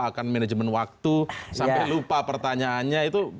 akan manajemen waktu sampai lupa pertanyaannya itu